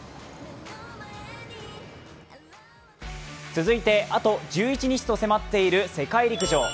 続いてあと１１日と迫っている世界陸上。